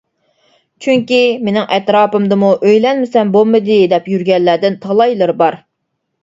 چۈنكى مېنىڭ ئەتراپىمدىمۇ ئۆيلەنمىسەم بولمىدى دەپ يۈرگەنلەردىن تالايلىرى بار.